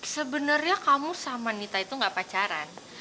sebenarnya kamu sama nita itu gak pacaran